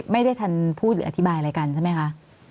ไม่ได้ทันพูดหรืออธิบายอะไรกันใช่ไหมคะ